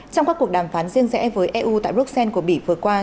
trong các cuộc đàm phán riêng rẽ với eu tại bruxelles của bỉ vừa qua